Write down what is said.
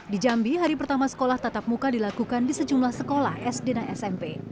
di jambi hari pertama sekolah tatap muka dilakukan di sejumlah sekolah sd dan smp